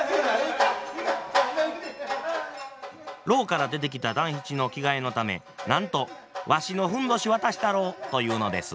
牢から出てきた団七の着替えのためなんと「わしのふんどし渡したろ」と言うのです。